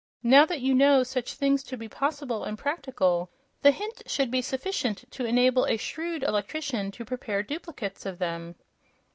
Now that you know such things to be possible and practical, the hint should be sufficient to enable a shrewd electrician to prepare duplicates of them."